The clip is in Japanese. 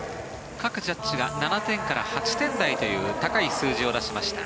各ジャッジが７点から８点台という高い数字を出しました。